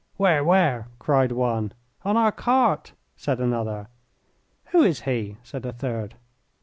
"Where, where?" cried one. "On our cart," said another. "Who is he?" said a third.